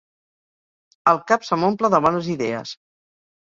El cap se m'omple de bones idees.